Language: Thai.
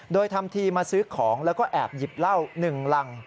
โดยทำทีมาซื้อของแล้วก็แอบหยิบเหล้า๑รัง